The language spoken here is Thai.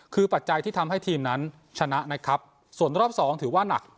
คือปัจจัยที่ทำให้ทีมนั้นชนะนะครับส่วนรอบสองถือว่าหนัก